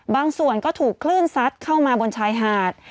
บางส่วนก็ถูกคลื่นซัดเข้ามาบนชายหาด